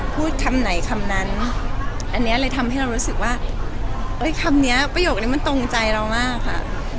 พูดคำไหนคำนั้นอันนี้เลยทำให้เรารู้สึกว่าคำนี้ประโยคนี้มันตรงใจเรามากค่ะ